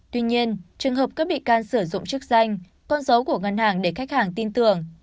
tuy nhiên trường hợp các bị can sử dụng chức danh con dấu của ngân hàng để khách hàng tin tưởng